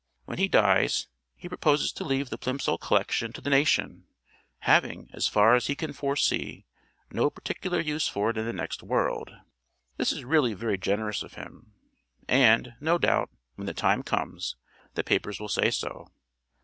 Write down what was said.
When he dies he proposes to leave the Plimsoll Collection to the nation, having, as far as he can foresee no particular use for it in the next world. This is really very generous of him, and, no doubt, when the time comes, the papers will say so.